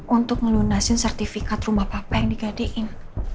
untuk melunasin sertifikat rumah papa yang digadein